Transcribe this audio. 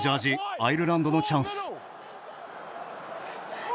アイルランドのチャンス。